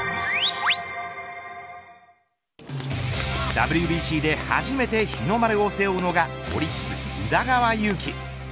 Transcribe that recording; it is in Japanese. ＷＢＣで初めて日の丸を背負うのがオリックス宇田川優希。